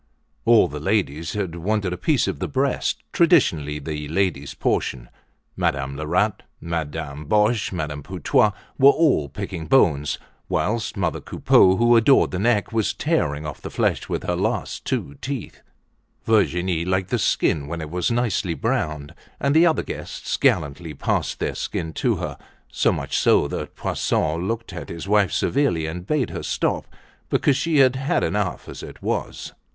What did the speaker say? All the ladies had wanted a piece of the breast, traditionally the ladies' portion. Madame Lerat, Madame Boche, Madame Putois, were all picking bones; whilst mother Coupeau, who adored the neck, was tearing off the flesh with her two last teeth. Virginie liked the skin when it was nicely browned, and the other guests gallantly passed their skin to her; so much so, that Poisson looked at his wife severely, and bade her stop, because she had had enough as it was.